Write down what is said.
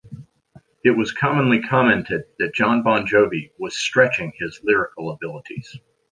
It was commonly commented that Jon Bon Jovi was "stretching" his lyrical abilities.